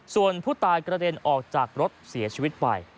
ส่วนผู้ตายกระเด็นออกจากรถเสียชีวิตไป